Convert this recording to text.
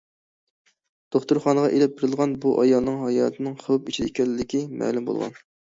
دوختۇرخانىغا ئېلىپ بېرىلغان بۇ ئايالنىڭ ھاياتىنىڭ خەۋپ ئىچىدە ئىكەنلىكى مەلۇم بولغان.